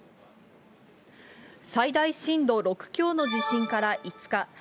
最大震度６強の地震から５日。